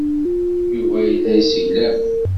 Yuba yella yesseglaf.